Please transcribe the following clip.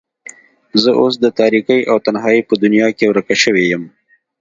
زه اوس د تاريکۍ او تنهايۍ په دنيا کې ورکه شوې يم.